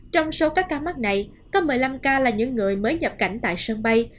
trong số các ca mắc này có một mươi năm ca là những người mới nhập cảnh tại sân bay